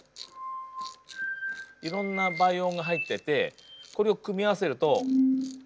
いろんな倍音が入っててこれを組み合わせると。